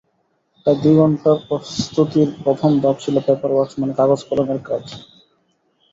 প্রায় দুই ঘণ্টার প্রস্তুতির প্রথম ধাপ ছিল পেপার ওয়ার্কস মানে কাগজ-কলমের কাজ।